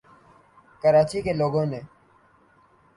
کراچی کے لوگوں نے